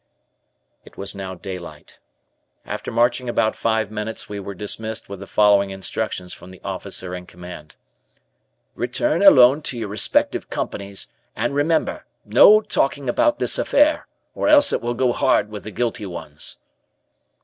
It was now daylight. After marching about five minutes, we were dismissed with the following instructions from the officer in command: "Return, alone, to your respective companies, and remember, no talking about this affair, or else it will go hard with the guilty ones."